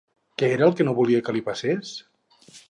Què era el que no volia que li passés?